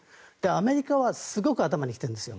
アメリカはすごく頭にきているんですよ。